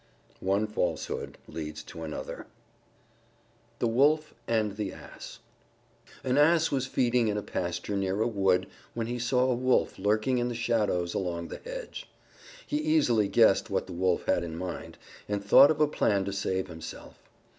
One falsehood leads to another. THE WOLF AND THE ASS An Ass was feeding in a pasture near a wood when he saw a Wolf lurking in the shadows along the hedge. He easily guessed what the Wolf had in mind, and thought of a plan to save himself.